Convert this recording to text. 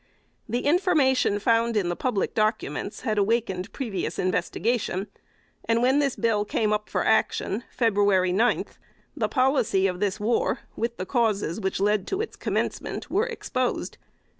] The information found in the public documents had awakened previous investigation; and when this bill came up for action (Feb. 9), the policy of this war, with the causes which led to its commencement, were exposed.